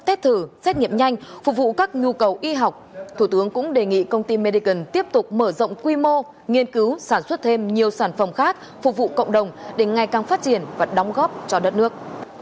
xét thử xét nghiệm nhanh phục vụ các nhu cầu y học thủ tướng cũng đề nghị công ty medican tiếp tục mở rộng quy mô nghiên cứu sản xuất thêm nhiều sản phẩm khác phục vụ cộng đồng để ngày càng phát triển và đóng góp cho đất nước